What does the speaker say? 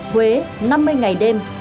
huế năm mươi ngày đêm